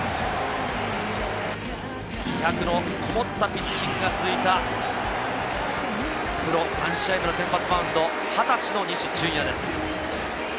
気迫のこもったピッチングが続いたプロ３試合目の先発マウンド、２０歳の西純矢です。